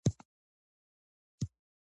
تولستوی یو ډېر زیارکښ او حساس انسان و.